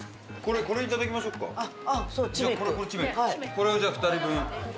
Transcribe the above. これをじゃあ２人分。